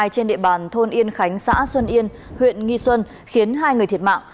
trên địa bàn thôn yên khánh xã xuân yên huyện nghi xuân khiến hai người thiệt mạng